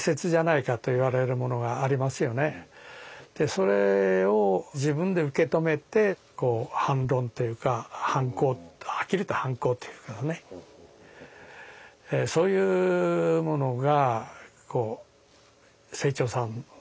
それを自分で受け止めて反論というかはっきりと反抗というけどねそういうものが清張さん